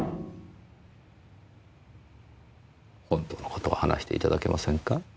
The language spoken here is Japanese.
本当の事を話していただけませんか？